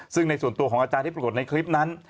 ซึ่งในส่วนตัวของอาจารย์ที่ปรากฏในคลิปนั้น